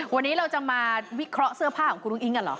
วันนี้เราจะมาวิเคราะห์เสื้อผ้าของคุณอุ้งอิ๊งกันเหรอ